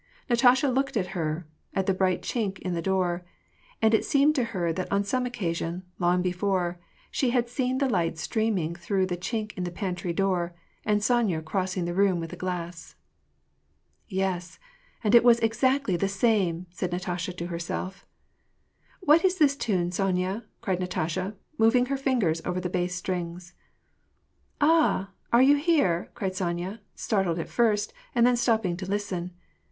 Natasha looked at her, at the bright chink in the door ; and it seemed to her that on some occasion, long before, she had seen the light streaming through the chink in the pantry door, and Sonya crossing the room with a glass. " Yes, and it was exactly the same !" said Natasha to her self. " What is this tune, Sonya ?" cried Natasha, moving her fingers over the bass strings. " Ah ! Are you here ?" cried Sonya, startled at first, and then stopping to listen.